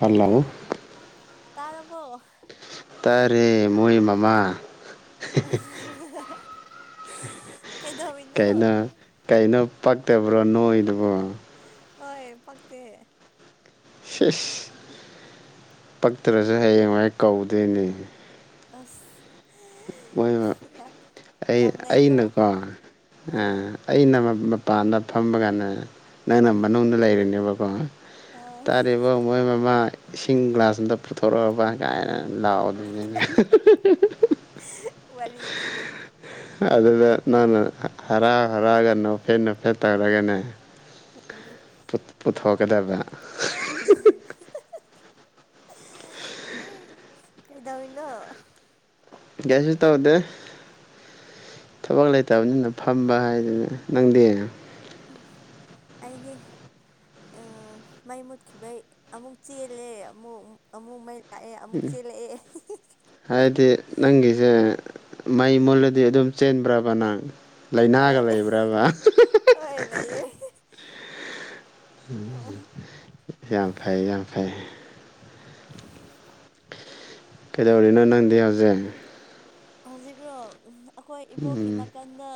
ꯐꯜꯂꯥꯎ ꯇꯥꯔꯕꯔꯕꯣ ꯇꯔꯦ ꯃꯣꯏ ꯃꯃꯥ ꯀꯩꯅ ꯀꯩꯗꯧꯔꯤꯅꯣ ꯀꯩꯅꯣ ꯄꯛꯇꯕ꯭ꯔꯣ ꯅꯣꯏꯗꯨꯕꯣ ꯍꯣꯏ ꯐꯛꯛꯇ ꯁꯁ ꯄꯛꯇ꯭ꯔꯁꯨ ꯍꯌꯦꯡꯋꯥꯥꯏ ꯀꯧꯗꯣꯏꯅꯦ ꯑꯁ ꯃꯣꯏ ꯌꯥ ꯑꯩ ꯌꯥꯝ ꯅꯩꯀꯣ ꯑꯩꯅꯀꯣ ꯑꯥ ꯑꯩꯅ ꯃꯄꯥꯟꯗ ꯐꯝꯕ ꯀꯥꯟꯗ ꯅꯪꯅ ꯃꯅꯨꯡꯗ ꯂꯩꯔꯤꯅꯦꯕꯀꯣ ꯑꯥ ꯇꯥꯔꯤꯕ ꯃꯣꯏ ꯃꯃꯥ ꯏꯁꯤꯡ ꯒ꯭ꯂꯥꯁ ꯑꯝꯇ ꯄꯨꯊꯣꯔꯛꯑꯕ ꯀꯥꯏꯅ ꯂꯥꯛꯑꯣ ꯑꯗꯨꯣꯏꯅꯦ ꯋꯥꯔꯤꯗꯤ ꯑꯗꯨꯗ ꯅ ꯍꯔꯥꯎ ꯍꯔꯒ ꯅꯣ ꯐꯦ ꯅꯣ ꯐꯦ ꯇꯧꯔꯒꯦꯅꯦ ꯄꯨꯊꯣꯛꯀꯗꯕ [inaudible] ꯀꯩꯗꯅ ꯀꯁ ꯇꯧꯗꯦ ꯊꯕꯛ ꯂꯩꯇꯕꯅꯤꯅ ꯐꯝꯕ ꯍꯥꯏꯗꯅ ꯅꯪꯗꯦ ꯑꯗꯤ ꯑ ꯃꯥꯏ ꯃꯨꯠꯈꯤꯕꯩ ꯑꯃꯨꯛ ꯆꯦꯜꯂꯦ ꯑꯃꯨꯛ ꯑꯃꯨꯛ ꯃ ꯎꯝ ꯍꯥꯏꯗꯤ ꯅꯪꯒꯤꯁꯦ ꯃꯩ ꯃꯨꯜꯂꯗꯤ ꯑꯗꯨꯝ ꯆꯦꯟꯕ꯭ꯔꯕ ꯅꯪ ꯂꯥꯏꯅꯥꯒ ꯍꯣꯏ ꯂꯩꯕ꯭ꯔꯕ ꯍꯣꯏ ꯂꯩꯌꯦ ꯎꯝ ꯌꯥꯝ ꯐꯩ ꯌꯥꯝ ꯐꯩ ꯀꯩꯗꯧꯔꯤꯅꯣ ꯅꯪꯗꯤ ꯍꯧꯖꯤꯛ ꯍꯧꯖꯤꯛꯔꯣ ꯑꯩꯈꯣꯏ ꯏꯕꯣꯛꯀꯤ ꯎꯝ ꯅꯥꯀꯟꯗ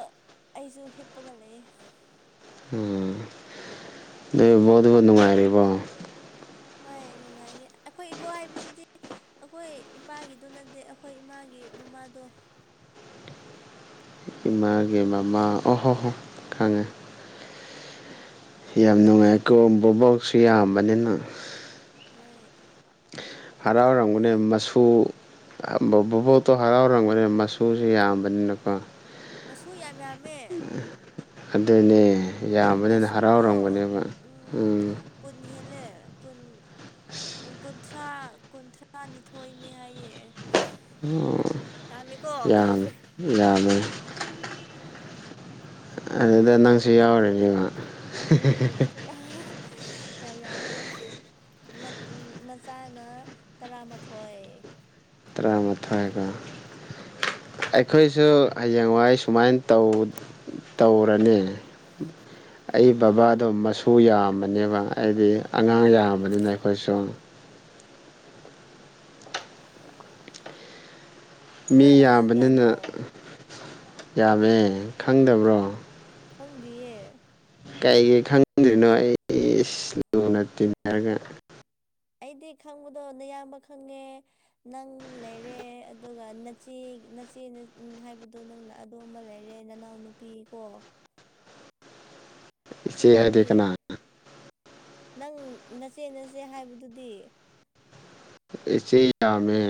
ꯑꯩꯁꯨ ꯍꯤꯞꯄꯒꯂ ꯎꯝ ꯑꯗꯨ ꯕꯣꯠꯠ ꯅꯨꯡꯉꯥꯏꯔꯤꯕꯣ ꯍꯣꯏ ꯅꯨꯡꯉꯥꯏꯔꯤ ꯑꯩꯈꯣꯏ ꯏꯕꯣ ꯍꯥꯏꯕꯁꯤꯗꯤ ꯑꯩꯈꯣꯏ ꯏꯄꯥꯒꯤꯗꯨ ꯅꯠꯇꯦ ꯑꯩꯈꯣꯏ ꯏꯃꯥꯒꯤ ꯃꯃꯥꯗꯣ ꯏꯃꯥꯒꯦ ꯃꯃꯥ ꯑꯣꯍꯣ ꯍꯣ ꯈꯪꯉꯦ ꯌꯥꯝ ꯅꯨꯡꯉꯥꯏ ꯀꯣꯕꯕꯥꯎꯁꯨ ꯌꯥꯝꯕꯅꯤꯅ ꯍꯣꯏ ꯑꯁ ꯍꯔꯥꯎ ꯍꯔꯥꯡꯒꯅꯦ ꯅꯨꯡꯉꯥꯏꯌꯦ ꯃꯆꯁꯨ ꯕꯣꯕꯣꯠꯇꯣ ꯍꯔꯥꯎꯔꯕꯅꯤꯅ ꯃꯆꯨꯁꯨ ꯌꯥꯝꯕꯅꯤꯅꯀꯣ ꯃꯁꯨ ꯌꯥꯝ ꯌꯥꯝꯃꯦ ꯑꯗꯨꯅꯦ ꯌꯥꯝꯕꯅꯤꯅ ꯃꯁꯨꯀꯣ ꯍꯔꯥꯎꯔꯝꯒꯅꯦꯕ ꯎꯝ ꯀꯨꯟ ꯍꯦꯜꯂꯦ ꯀꯨꯟ ꯀꯨꯟꯊ꯭ꯔꯥ ꯀꯨꯟꯊ꯭ꯔꯥꯅꯤꯊꯣꯏꯅꯦ ꯍꯥꯏꯌꯦ ꯑꯣ ꯌꯥꯝꯃꯦꯀꯣ ꯌꯥꯃꯤ ꯌꯥꯃꯦ ꯑꯗꯨꯗ ꯅꯪꯁꯨ ꯌꯥꯎꯔꯦꯅꯤꯉ ꯎꯝ ꯑꯩꯁꯨ ꯌꯥꯝ ꯌꯥꯝ ꯌꯥꯝꯃꯦ ꯃꯆꯥꯅ ꯇꯔꯥꯃꯥꯊꯣꯏ ꯇꯔꯥꯃꯥꯊꯣꯏꯀꯣ ꯎꯝ ꯑꯩꯈꯣꯏꯁꯨ ꯍꯌꯦꯡꯋꯥꯏ ꯁꯨꯃꯥꯏꯧ ꯇꯧꯔꯅꯤ ꯑꯩ ꯎꯝ ꯕꯕꯥꯗꯣ ꯃꯁ ꯁꯨ ꯌꯥꯝꯕꯅꯦꯕ ꯑꯩꯗꯤ ꯑꯉꯥꯡ ꯌꯥꯝꯕꯅꯤꯅ ꯑꯩꯈꯣꯏꯁꯨ ꯃꯤ ꯅꯣꯏ ꯑꯉꯥꯡ ꯌꯥꯕꯅꯤꯅ ꯀꯌꯥꯅꯣ ꯌꯥꯕ ꯈꯪꯗꯕ꯭ꯔꯣ ꯈꯪꯗꯦꯌꯦꯦ ꯀꯩꯒꯤꯩ ꯈꯪꯗ꯭ꯔꯤꯅꯣ ꯑꯩ ꯂꯨꯅ ꯇꯤꯟꯅꯔꯒ ꯑꯩꯗꯤ ꯈꯪꯕꯗꯣꯅꯌꯥꯝꯕ ꯈꯪꯉꯦ ꯅꯪ ꯂꯩꯔꯦ ꯑꯗꯨꯒ ꯅꯆꯤ ꯅꯆꯦ ꯍꯥꯏꯕꯗꯣ ꯅꯪꯅ ꯑꯗꯨ ꯑꯃ ꯂꯩꯔꯦ ꯅꯅꯥꯎ ꯅꯨꯄꯤ ꯀꯣ ꯁꯤ ꯆꯦ ꯍꯥꯏꯗꯤꯅ ꯃꯔꯤ ꯅꯪ ꯅꯆꯦꯠ ꯅꯆꯦ ꯍꯥꯏꯕꯗꯨꯗꯤ ꯁꯌꯥꯃꯦ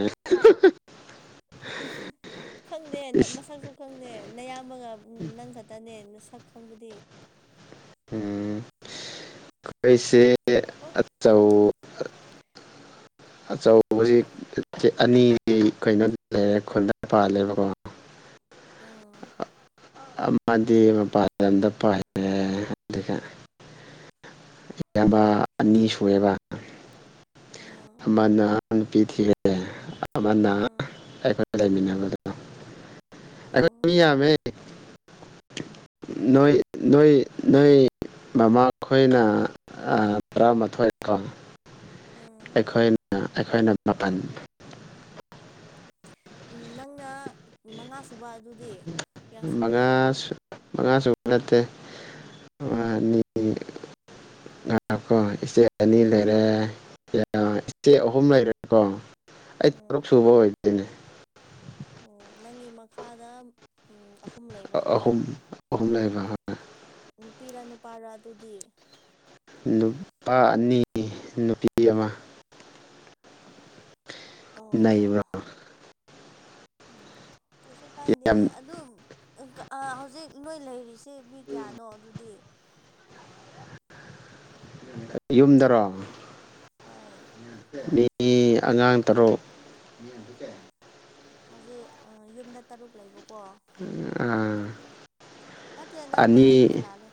ꯈꯪꯗꯦ ꯃꯁꯛꯁꯨ ꯈꯪꯗꯦ ꯅꯌꯥꯝꯕꯒ ꯅꯪ ꯈꯛꯇꯅꯦ ꯁꯛ ꯈꯪꯕꯗꯤ ꯎꯝ ꯑꯩꯈꯣꯏꯁꯦ ꯑꯣ ꯑꯆꯧ [unintelligible] ꯑꯆꯧꯕꯖꯤꯛ ꯑꯅꯤꯗꯤ ꯀꯩꯅꯣ ꯂꯩꯔꯦ ꯈꯨꯟꯗ ꯄꯥꯜꯂꯦꯕꯀꯣ ꯎꯝ ꯑꯃꯗꯤ ꯃꯄꯥꯗ ꯄꯜꯂꯦ ꯏꯌꯥꯝꯕ ꯑꯅꯤ ꯁꯨꯑꯦꯕ ꯎꯝ ꯑꯃꯅ ꯅꯨꯄꯤ ꯊꯤꯒ꯭ꯔꯦꯅ ꯎꯝ ꯑꯩꯈꯣꯏ ꯑꯣ ꯎꯝ ꯈ ꯃꯤꯃꯦ ꯅꯣꯏ ꯅꯣꯏ ꯅꯣꯏ ꯕꯃꯥ ꯈꯣꯏꯅ ꯇꯔꯥ ꯃꯊꯣꯏꯀꯣ ꯑꯩꯈꯣꯏꯅ ꯑꯩꯈꯣꯏꯅ ꯃꯥꯄꯜ ꯅꯪꯅ ꯃꯉꯥ ꯁꯨꯕ ꯑꯗꯨꯗꯤ ꯀꯌꯥ ꯃꯉꯥ ꯁꯨꯕꯅꯣ ꯃꯉꯥ ꯁꯨꯕ ꯅꯠꯇꯦ ꯑꯅꯤ ꯀꯣ ꯏꯆꯦ ꯑꯅꯤ ꯂꯩꯔꯦ ꯏꯆꯦ ꯑꯍꯨꯝ ꯂꯩꯔꯦ ꯀꯣ ꯑꯩ ꯎꯝ ꯇꯔꯨꯛ ꯁꯨꯕ ꯑꯣꯏꯗꯣꯏꯅꯦ ꯑꯣ ꯅꯪꯒꯤ ꯃꯈꯥꯗ ꯑꯍꯨꯝ ꯂꯩꯕ ꯑꯃꯨꯛ ꯑꯍꯨꯝ ꯑꯍꯨꯝ ꯂꯩꯕ ꯅꯨꯄꯤꯔ ꯅꯨꯄꯥꯔ ꯑꯗꯨꯗꯤ ꯅꯨꯄꯥ ꯑꯅꯤ ꯅꯨꯄꯤ ꯑꯃ ꯑꯣ ꯅꯩꯅꯕ꯭ꯔꯥ ꯑꯣ ꯎꯝ ꯀꯩꯁꯨ ꯀꯥꯏꯗꯦ ꯌꯥꯝ ꯑꯗꯨ ꯍꯧꯖꯤꯛ ꯅꯣꯏ ꯂꯩꯔꯤꯁꯦ ꯆꯦ ꯃꯤ ꯀꯌꯥꯅꯣ ꯑꯗꯨꯗꯤ ꯌꯨꯝꯗꯔꯣ ꯍꯣꯏ ꯃꯤ ꯑꯉꯥꯡ ꯇꯔꯨꯛ ꯍꯧꯖꯤꯛ ꯑ ꯌꯨꯝꯗ ꯇꯔꯨꯛ ꯂꯩꯕ ꯑꯥ ꯅꯠꯇꯦ ꯅꯪꯅ ꯑꯅꯤ ꯍꯥꯏꯕꯁꯦ ꯂꯥꯜꯂꯦ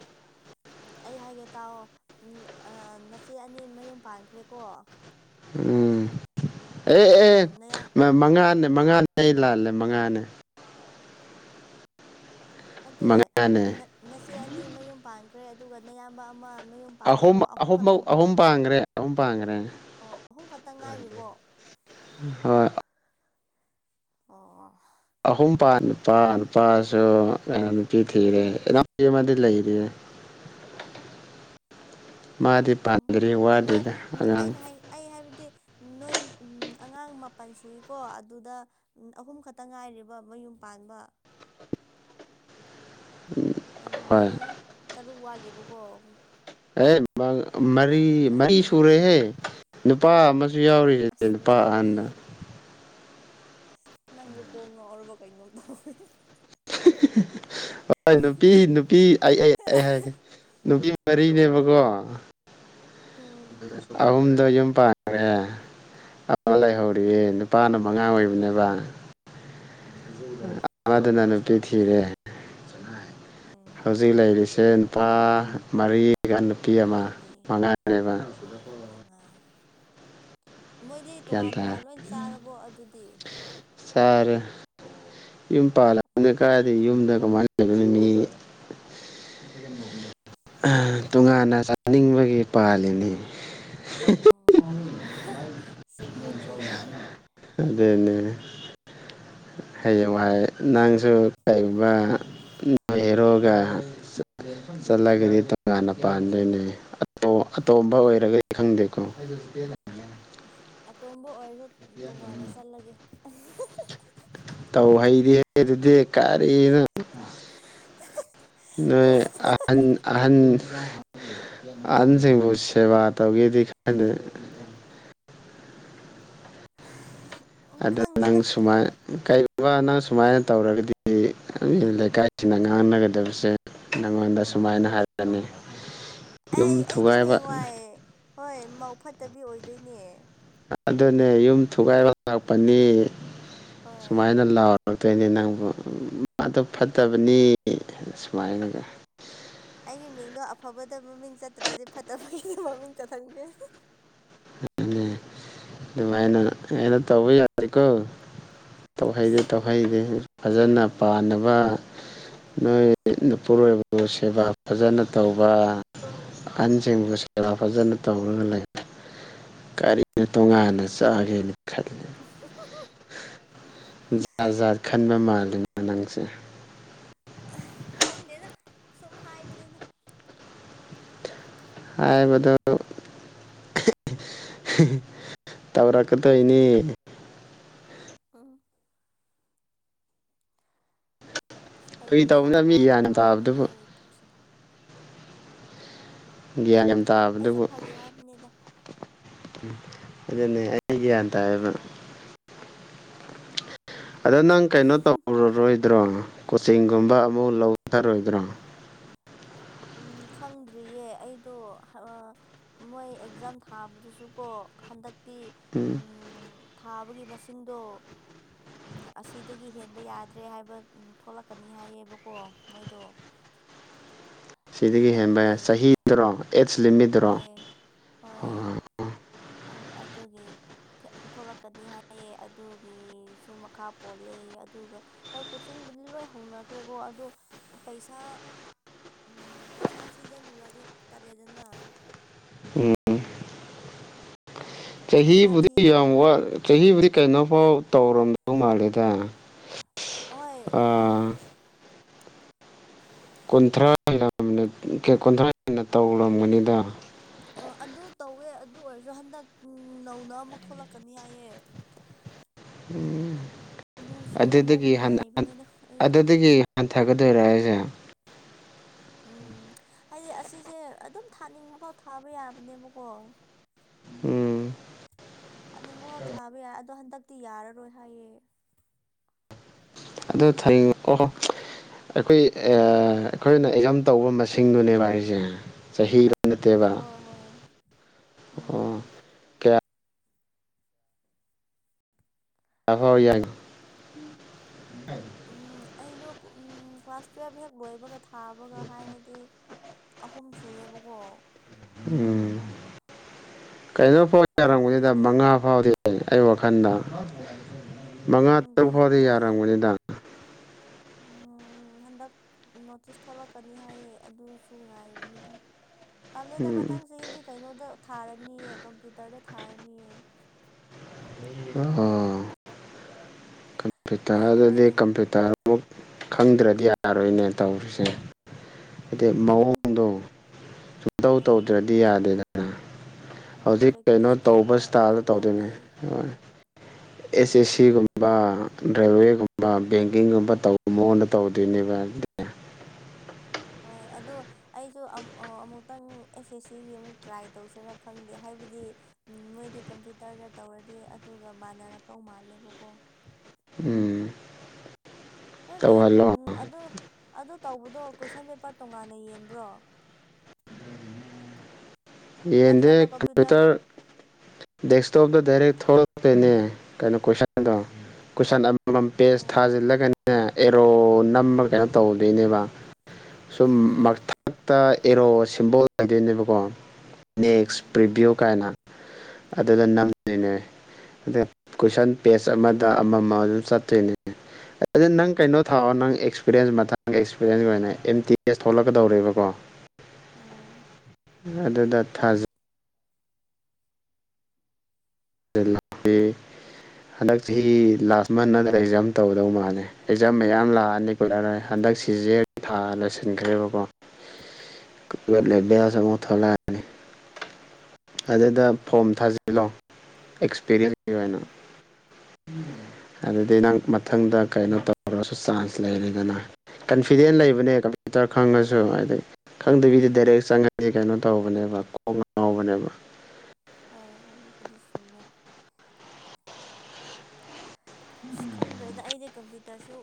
ꯎ ꯑꯩ ꯍꯥꯏꯒꯦ ꯇꯥꯑꯣ ꯅꯆꯦ ꯑꯅꯤ ꯃꯌꯨꯝ ꯄꯥꯟꯈ꯭ꯔꯦꯀꯣ ꯎꯝ ꯑꯦ ꯑꯦ ꯅꯌꯥ ꯃꯉꯥꯅꯦ ꯃꯉꯥꯅꯦ ꯑꯩ ꯂꯥꯜꯂꯦ ꯃꯉꯥꯅꯦ ꯅꯠꯇꯦ ꯃꯉꯥꯅꯦ ꯅꯆꯦ ꯑꯅꯤ ꯃꯌꯨꯝ ꯄꯥꯟꯈ꯭ꯔꯦ ꯑꯗꯨꯒ ꯅꯌꯥꯝꯕ ꯑꯃ ꯃꯌꯨꯝ ꯑꯍꯨꯝ ꯄꯥꯜꯂꯦꯀꯣ ꯑꯍꯨꯝ ꯈꯛꯇꯪ ꯑꯍꯨꯝ ꯄꯥꯡꯈ꯭ꯔꯦ ꯑꯍꯨꯝ ꯄꯥꯡꯈ꯭ꯔꯦ ꯑꯣ ꯑꯍꯨꯝ ꯈꯛꯇ ꯉꯥꯏꯔꯤꯕꯣ ꯍꯣꯏ ꯑꯣ ꯑꯍꯨꯝꯄꯥ ꯅꯨꯄꯥ ꯅꯨꯄꯥꯁꯨ ꯑꯥ ꯊꯗꯦꯗꯤ ꯂꯩꯔꯤꯌꯦꯦ ꯃꯥꯗꯤ ꯑꯣ ꯄꯥꯟꯗ꯭ꯔꯤ ꯅꯣꯏ ꯋꯥꯗꯨꯗ ꯅꯣ- ꯑꯉꯥꯡ ꯑꯩꯅ ꯍꯥꯏ ꯑꯩ ꯍꯥꯏꯕꯗꯤ ꯅꯣꯏ ꯎ ꯑꯉꯥꯡ ꯃꯥꯄꯜ ꯁꯨꯏꯀꯣ ꯑꯗꯨꯗ ꯑꯍꯨꯝ ꯈꯛꯇ ꯉꯥꯏꯔꯤꯕ ꯃꯌꯨꯝ ꯄꯥꯟ ꯍꯥꯟꯕ ꯑꯗꯨꯗꯤ ꯍꯣꯏ ꯇꯔꯨꯛ ꯋꯥꯠꯂꯦꯕꯀꯣ ꯑꯦ ꯃꯔꯤ ꯃꯔꯤ ꯑꯗꯨꯗꯤ ꯁꯨꯔꯦꯍꯦ ꯅꯨꯄꯥ ꯨ ꯌꯥꯎꯔꯤꯁ ꯑꯁ ꯂꯨꯄꯥ ꯅꯪ ꯑꯍꯟꯅ ꯅꯪꯔꯀꯣꯉ ꯑꯣꯔꯕ ꯀꯩꯉꯣ ꯇꯦ ꯍꯣꯏ ꯅꯨꯄꯤ ꯅꯨꯄꯤ ꯑꯩ ꯑꯩ ꯍꯥꯏꯒꯦ ꯅꯨꯄꯤ ꯃꯔꯤꯅꯦꯕꯀꯣ ꯎꯝ ꯑꯍꯨꯝꯗ ꯌꯨꯝ ꯄꯥꯡꯔꯦꯦ ꯂꯩꯍꯧꯔꯤꯌꯦ ꯎꯝ ꯅꯨꯄꯥꯅ ꯃꯉꯥ ꯑꯣꯏꯕꯅꯦꯕ ꯎꯝ ꯃꯗꯨꯅ ꯅꯨꯄꯤ ꯊꯤꯔꯦ ꯎꯝ ꯍꯧꯖꯤꯛ ꯂꯩꯔꯤꯁꯦ ꯅꯨꯄꯥ ꯃꯔꯤꯒ ꯀꯇꯤ ꯑꯃ ꯃꯔꯤ ꯃꯉꯥꯅꯦꯕ ꯑꯣ ꯃꯉꯥ ꯃꯣꯏꯗꯤ ꯒ꯭ꯌꯥꯟ ꯇꯣꯉꯥꯟ ꯇꯥꯔꯦ ꯇꯣꯉꯥꯟ ꯂꯣꯏ ꯆꯥꯔꯕꯣ ꯑꯗꯨꯗꯤ ꯆꯥꯔꯦ ꯌꯨꯝ ꯄꯥꯜꯂꯕꯅꯤ ꯑꯣ ꯀꯥꯏꯗꯤ ꯌꯨꯝꯗ ꯀꯃꯥꯏꯅ ꯂꯩꯒꯅꯤ ꯃꯤ ꯇꯣꯉꯥꯟꯅ ꯆꯥꯅꯤꯡꯕꯒꯤ ꯄꯥꯜꯂꯤꯅꯤ ꯑꯣ ꯁꯃꯤꯅꯤ ꯑꯗꯨꯅꯦꯅꯦ [unintelligible] ꯍꯌꯦꯡ ꯋꯥꯍ ꯅꯪꯁꯨ ꯀꯩꯒꯨꯝꯕ ꯅꯣꯏ ꯍꯦꯔꯣꯒ ꯆꯠꯂꯒꯗꯤ ꯇꯣꯉꯥꯟꯅ ꯄꯥꯟꯗꯣꯏꯅꯦ ꯑꯣ ꯑꯇꯣꯝꯕ ꯎꯝ ꯑꯣꯏꯔꯒꯗꯤ ꯈꯪꯗꯦꯀꯣ ꯑꯇꯣꯝꯕ ꯑꯣꯏꯔꯁꯨ ꯇꯣꯉꯥꯟꯅ ꯆꯠꯂꯒꯦ ꯐꯩꯗꯤ ꯍꯦ ꯑꯗꯨꯗꯤ ꯀꯥꯔꯤꯅ ꯅꯣꯏ ꯑꯍꯟ ꯑꯍꯟ ꯑꯍꯟꯁꯤꯡꯕꯨ ꯁꯦꯕꯥ ꯇꯧꯒꯦꯗꯤ ꯈ ꯎꯝ ꯑꯗꯨꯗ ꯅꯪ ꯈꯪꯗꯦꯗ ꯁꯃꯥꯏ ꯀꯥꯏ ꯑ ꯑꯅ ꯁꯨꯃꯥꯏꯅ ꯇꯧꯔꯒꯗꯤ ꯂꯩꯀꯥꯏꯁꯤꯡꯅ ꯉꯥꯡꯅꯒꯗꯕꯁꯦ ꯅꯉꯣꯟꯗ ꯁꯨꯃꯥꯏꯅ ꯍꯥꯏꯒꯅꯤ ꯑꯩ ꯑꯩꯗꯤ ꯍꯌꯦꯡꯋꯥꯏꯑꯦ ꯍꯣꯏ ꯃꯧ ꯐꯠꯇꯕꯤ ꯑꯣꯏꯗꯣꯏꯅꯦ ꯑꯗꯨꯅꯦ ꯌꯨꯝ ꯊꯨꯒꯥꯏꯕ ꯂꯥꯛꯄꯅꯤ ꯍꯣꯏ ꯁꯨꯃꯥꯏꯅ ꯂꯥꯎꯔ ꯂꯧꯔꯛꯇꯣꯏꯅꯦ ꯅꯪꯕꯨ ꯃꯥꯗ ꯐꯠꯇꯕꯅꯤ ꯁꯨꯃꯥꯏꯅꯒ ꯑꯩꯒꯤ ꯃꯤꯡꯗꯣ ꯑꯐꯕꯗ ꯃꯃꯤꯡ ꯆꯠꯇ꯭ꯔꯗꯤ ꯐꯠꯇꯕꯒꯤ ꯃꯃꯤꯡ ꯆꯠꯍꯟꯒꯦ ꯑꯗꯨꯃꯥꯏꯅ ꯑꯩꯅ ꯇꯧꯕ ꯌꯥꯔꯦꯀꯣ ꯇꯧꯍꯩꯗꯦ ꯇꯧꯍꯩꯗꯦ ꯐꯖꯅ ꯎꯝ ꯄꯥꯅꯕ ꯅꯣꯏ ꯃꯄꯨꯔꯣꯏꯕꯕꯨ ꯁꯦꯕꯥ ꯐꯖꯅ ꯇꯧꯕ ꯑꯍꯟꯁꯤꯡꯕꯨ ꯁꯦꯕꯥ ꯐꯖꯅ ꯇꯧꯔꯒ ꯂꯩ ꯀꯔꯤꯅ ꯇꯣꯉꯥꯟꯅ ꯆꯥꯒꯦꯅ ꯈꯜꯂꯤ ꯖꯥꯠ ꯖꯥꯠ ꯈꯟꯕ ꯃꯥꯜꯂꯤꯉ ꯅꯪꯁꯦ ꯈꯪꯗꯦꯗ ꯁꯨꯝ ꯍꯥꯏꯕꯅꯤꯅ ꯍꯥꯏꯕꯗ ꯇꯕꯀꯦ ꯇꯣꯏꯅꯤ ꯑꯣ ꯑꯁ ꯐꯥꯒꯤ ꯑꯩꯗꯤ ꯆꯥꯛ ꯇꯧꯕꯅꯤꯗ ꯃꯤ ꯂꯥꯝꯕ ꯒ꯭ꯌꯥꯟ ꯌꯥꯝ ꯃꯥꯜꯂꯤꯅꯦ ꯇꯥꯕꯗꯨꯕꯨ ꯑꯩꯒꯤ ꯄꯨꯛꯁꯦ ꯭ꯌꯥ ꯑꯩꯁꯨ ꯐꯒꯤ ꯍꯥꯏꯕꯅꯤꯗ ꯑꯗꯨꯅꯦ ꯑꯩ ꯒ꯭ꯌꯥꯟ ꯇꯥꯌꯦꯕ ꯑꯗ ꯅꯪ ꯀꯩꯅꯣ ꯇꯧꯔꯔꯣꯏꯗ꯭ꯔꯣ ꯀꯣꯆꯤꯡꯒꯨꯝꯕ ꯑꯃꯨ ꯂꯧꯊꯔꯣꯏꯗ꯭ꯔꯣ ꯑꯣ ꯈꯪꯗ꯭ꯔꯤꯌꯦ ꯑꯩꯗꯣ ꯃꯣꯏ ꯑꯦꯛꯖꯥꯝ ꯊꯥꯕꯗꯁꯨꯀꯣ ꯍꯟꯗꯛ ꯎꯝ ꯊꯥꯕꯒꯤ ꯃꯁꯤꯡꯗꯣ ꯑꯁꯤꯗꯒꯤ ꯍꯦꯟꯕ ꯌꯥꯗ꯭ꯔꯦ ꯍꯥꯏꯕ ꯊꯣꯛꯂꯛꯀꯅꯤ ꯍꯥꯏꯌꯦꯕꯀꯣ ꯃꯣꯏꯗꯣ [unintelligible] ꯁꯤꯗꯒꯤ ꯍꯦꯟꯕ ꯌꯥ ꯑꯗꯨꯒꯤ ꯆꯍꯤꯗꯨꯔꯣ ꯑꯦꯠꯖ ꯂꯤꯃꯤꯠꯇꯗꯨꯔꯣ ꯍꯣꯏ ꯑ ꯍꯣꯏ ꯑꯗꯨꯒꯤ ꯊꯣꯛꯂꯛꯀꯅꯤ ꯍꯥꯏꯑꯌꯦ ꯑꯗꯨꯒꯤꯁꯨ ꯃꯈꯥ ꯄꯣꯜꯂꯦ ꯑꯗꯨꯒ ꯍꯣꯏ ꯀꯣꯆꯤꯡꯕꯨꯗꯤ ꯂꯣꯏ ꯍꯧꯅꯈ꯭ꯔꯦꯀꯣ ꯑꯗꯣ ꯄꯩꯁꯥ ꯎꯝ ꯄꯩꯁꯥ ꯊꯤꯖꯜꯂꯨꯔꯗꯤ ꯇꯜꯂꯦꯗꯅ ꯄꯩꯁꯥ ꯆꯍꯤꯕꯨꯗꯤ ꯊꯤ ꯌꯥꯝ ꯆꯍꯤꯕꯨꯗꯤ ꯀꯩꯅꯣꯐꯥꯎ ꯇꯧꯔꯝꯗꯧ ꯃꯥꯜꯂꯦꯗ ꯑꯣꯏ ꯑꯥ ꯀꯨꯟꯊ꯭ꯔꯥ ꯀꯨꯟꯊ꯭ꯔꯥ ꯍꯦꯟꯅ ꯇꯧꯔꯝꯒꯅꯤꯗ ꯑ ꯑꯗꯨ ꯇꯧꯋꯦ ꯑꯗꯨ ꯑꯣꯏꯔꯁꯨ ꯍꯟꯗꯛ ꯅꯧꯅ ꯑꯃꯨꯛ ꯊꯣꯛꯂꯛꯀꯅꯤ ꯍꯥꯏꯑꯦ [unintelligible] ꯎꯝ ꯑꯃꯨꯛ ꯑꯗꯨꯗꯒꯤ ꯉꯥꯏꯕꯅꯤꯅ ꯑꯩꯗꯣ ꯑꯗꯨꯗꯒꯤ ꯊꯒꯗ ꯔꯥꯏꯁ ꯎꯝ ꯍꯥꯏꯗꯤ ꯑꯁꯤꯁꯦ ꯑꯗꯨꯝ ꯊꯥꯅꯤꯡꯕꯐꯥꯎ ꯊꯥꯕ ꯌꯥꯕꯅꯦꯕꯀꯣ ꯎꯝ ꯊꯥꯅꯤꯡꯕꯐꯥꯎ ꯊꯥꯕ ꯌꯥꯏ ꯑꯗꯣ ꯍꯟꯗꯛꯇꯤ ꯌꯥꯔꯔꯣꯏ ꯍꯥꯏꯌꯦ ꯑꯗꯨ ꯊ ꯑꯣꯍꯣ ꯑꯩꯈꯣꯏ ꯑꯩꯈꯣꯏꯅ ꯑꯦꯛꯖꯥꯝ ꯇꯧꯕ ꯃꯁꯤꯡꯗꯨꯅꯦꯕ ꯍꯥꯏꯁꯦ ꯆꯍꯤ ꯅꯠꯇꯤꯕꯥ ꯍꯣꯏ ꯍꯣꯏ ꯎꯝ ꯑꫭ ꯂꯐ ꯌꯥꯡ ꯎꯝ ꯑꯩꯅꯣ ꯎꯝ ꯀ꯭ꯂꯥꯁ ꯇꯨꯋꯦꯜꯐ ꯍꯦꯛ ꯂꯣꯏꯕꯒ ꯊꯥꯕꯒ ꯍꯥꯏꯔꯗꯤ ꯑꯍꯨꯝ ꯁꯨꯔꯦꯕꯀꯣ ꯎꯝ ꯀꯩꯅꯣ ꯐꯥꯎ ꯌꯥꯔꯝꯕꯅꯤꯗ ꯑꯗꯨꯒꯤꯅꯦ ꯃꯉꯥ ꯐꯥꯎꯗꯤ ꯑꯩ ꯋꯥꯈꯜꯗ ꯃꯉꯥ ꯈꯪꯗꯦ ꯇꯔꯨꯛ ꯐꯥꯎꯗꯤ ꯃꯣꯏ ꯌꯥꯔꯝꯒꯅꯤꯗ ꯎꯝ ꯍꯟꯗꯛ ꯅꯣꯇꯤꯁ ꯊꯣꯛꯂꯛꯀꯅꯤ ꯍꯥꯏꯌꯦ ꯑꯗꯨꯁꯨ ꯉꯥꯏꯕꯅꯤꯗ ꯇꯂꯦꯗ ꯎꯝ ꯃꯊꯪꯁꯤꯒꯤꯗꯤ ꯀꯩꯅꯣꯗ ꯊꯥꯔꯅꯤꯑ ꯀꯝꯄ꯭ꯌꯨꯇꯔꯗ ꯊꯥꯔꯅꯤꯑ ꯑ ꯀꯩ ꯄꯤꯇꯥꯗꯗꯤ ꯑꯩꯈꯣꯏꯅ ꯀꯝ ꯄꯇꯥ ꯑꯃꯨꯛ ꯈꯪꯗ꯭ꯔꯗꯤ ꯌꯥꯔꯣꯏꯅꯦ ꯇꯧꯔꯤꯁꯦ ꯍꯥꯏꯗꯤ ꯎꯝ ꯃꯑꯣꯡꯗꯣ ꯁꯨꯝꯇꯧ ꯐꯩ ꯇꯧꯗ꯭ꯔꯗꯤ ꯌꯥꯗꯦꯗꯅ ꯎꯝ ꯍꯧꯖꯤꯛ ꯀꯩꯅꯣ ꯄ꯭ꯔꯦꯛꯇꯤꯁ ꯇꯧꯕ ꯏꯁꯇꯥꯏꯜꯗ ꯗꯔꯀꯥꯔ ꯇꯧꯗꯣꯏꯅꯦ ꯇꯥꯏ ꯍ ꯑꯦꯁ ꯑꯦꯁ ꯎꯝ ꯁꯤꯒꯨꯝꯕ ꯔꯦꯜꯋꯦꯒꯨꯝꯕ ꯕꯦꯡꯀꯤꯡꯒꯨꯝꯕ ꯇꯧꯕ ꯃꯉꯣꯟꯗ ꯇꯧꯗꯣꯏꯅꯦꯕ ꯍꯣꯏ ꯑꯗꯣ ꯑꯩꯁꯨ ꯑꯃꯨꯛꯇꯪ ꯑꯦꯁ ꯑꯦꯁ ꯁꯤꯒꯤ ꯑꯃꯨꯛ ꯇ꯭ꯔꯥꯏ ꯇꯧꯁꯤꯦꯔꯥ ꯈꯪꯗꯦ ꯍꯥꯏꯕꯗꯤ ꯎ ꯃꯣꯏꯗꯤ ꯀꯝꯄ꯭ꯌꯨꯇꯔꯗ ꯇꯧꯔꯗꯤ ꯑꯗꯨꯒ ꯃꯥꯟꯅꯔꯛꯇꯧ ꯃꯥꯜꯂꯦꯕꯀꯣ ꯎꯝ ꯅꯣꯏ ꯇꯧꯍꯜꯂꯣ ꯎꯝ ꯑꯗꯨ ꯑꯗꯨ ꯇꯧꯕꯗꯣ ꯀꯣꯏꯁꯟ ꯄꯦꯄꯔ ꯇꯣꯉꯥꯟꯅ ꯌꯦꯟꯕ꯭ꯔꯣ ꯌꯦꯟꯗ ꯅꯠꯇ꯭ꯔꯒ ꯀꯝꯄ꯭ꯌꯨꯇꯔ ꯀꯝꯄꯌꯨꯇꯔ ꯗꯦꯁꯁ ꯣ ꯗꯗꯥꯔ ꯊꯣꯛꯛꯅꯦ ꯀꯩꯅꯣ ꯀꯣꯏ ꯑꯗꯣ ꯀꯨꯏꯁꯟ ꯑꯃꯃꯝ ꯄꯦꯖ ꯑꯣ ꯊꯥꯖꯤꯜꯂꯒꯅꯤ ꯑꯦꯔꯣ ꯅꯝꯕ ꯀꯩꯅꯣ ꯇꯧꯗꯣꯏꯅꯦꯕ ꯁꯨꯝ ꯑꯣ ꯃꯊꯛꯇ ꯑꯦꯔꯣ ꯁꯤꯝꯕꯣꯜ ꯍꯥꯏꯗꯣꯏꯅꯦꯕꯀꯣ ꯅꯦꯛꯁ ꯎꯝ ꯄ꯭ꯔꯤꯚꯤꯌꯨ ꯀꯥꯏꯅ ꯑꯗꯨꯗ ꯅꯝꯃꯤꯅꯦ ꯑꯗ ꯀꯣꯏꯁꯟ ꯄꯦꯖ ꯑꯃꯗ ꯑꯃꯃ ꯑꯗꯨꯝ ꯆꯠꯇꯣꯏꯅꯦ ꯗꯤ ꯅꯪ ꯀꯩꯅꯣ ꯊꯥꯛꯑꯣ ꯅꯪ ꯑꯦꯛꯁꯄꯤꯔꯤꯦꯟꯁ ꯃꯇꯥꯡꯗ ꯑꯦꯛꯁꯄꯤꯔꯤꯦꯟꯁ ꯑꯣꯏꯅ ꯑꯦꯝ ꯇꯤ ꯑꯦꯁ ꯊꯣꯛꯂꯛꯀꯗꯧꯕꯀꯣ ꯑ ꯑꯗꯨꯗ ꯊꯥꯖꯩ ꯂꯦ ꯍꯟꯗꯛ ꯆꯍꯤ ꯂꯥꯁ ꯃꯟ ꯅꯠꯇ꯭ꯔ ꯑꯦꯛꯖꯥꯝ ꯇꯧꯒꯗꯧ ꯃꯥꯜꯂꯦ ꯑꯦꯛꯖꯥꯝ ꯃꯌꯥꯝ ꯂꯥꯛꯑꯅꯤ ꯔꯣꯏ ꯎꯝ ꯍꯟꯗꯛ ꯁꯤꯁꯦ ꯊꯥ ꯂꯣꯏꯁꯤꯟꯈ꯭ꯔꯦꯕꯀꯣ ꯂꯩꯦ ꯑ ꯎꯝ ꯑ ꯎ ꯂ ꯑꯗꯨꯗ ꯐꯣꯝ ꯊꯥꯖꯤꯜꯂꯣ ꯑꯦꯛꯁꯄꯤꯔꯤꯌꯦꯟꯁꯀꯤ ꯑꯣꯏꯅ ꯎꯝ [inaudible] ꯑꯗꯨꯗꯒꯤ ꯅꯪ ꯃꯊꯪꯗ ꯀꯩꯅꯣ ꯇꯧꯈ꯭ꯔꯁꯨ ꯆꯥꯟꯁ ꯂꯩꯔꯦꯗꯅ ꯀꯟꯐꯤꯗꯦꯟ ꯂꯩꯕꯅꯦ ꯀꯝꯄ꯭ꯌꯨꯇꯔ ꯈꯪꯉꯁꯨ ꯍꯥꯏꯗꯤꯩ ꯈꯪꯗꯕꯤꯗꯤ ꯗꯥꯏꯔꯦꯛ ꯆꯪꯉꯁꯤ ꯀꯩꯅꯣ ꯇꯧꯕꯅꯦꯕ ꯈꯣꯡ ꯉꯍꯧꯕꯅꯦꯕ ꯍꯣꯏ ꯑꯗꯨ ꯀꯃꯦ ꯑꯁ ꯈꯪꯗ꯭ꯔꯦꯗ ꯑꯩꯗꯤ ꯀꯝꯄ꯭ꯌꯨꯇꯔꯁꯨ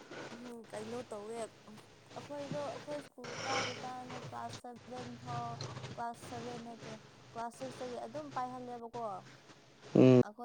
ꯀꯩꯅꯣ ꯇꯧꯋꯦ ꯑꯩꯈꯣꯏꯗꯣ ꯑꯩꯈꯣꯏ ꯁ꯭ꯀꯨꯜ ꯀꯥꯔꯤꯀꯥꯟꯅ ꯀ꯭ꯂꯥꯁ ꯁꯚꯦꯟ ꯐꯥꯎ ꯀ꯭ꯂꯥꯁ ꯁꯚꯦꯟ ꯅꯠꯇꯦ ꯀ꯭ꯂꯥꯁ ꯁꯤꯛꯁꯇꯒꯤ ꯑꯗꯨꯝ ꯄꯥꯏꯍꯜꯂꯦꯕꯀꯣ ꯎꯝ